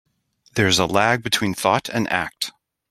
There is a lag between thought and act.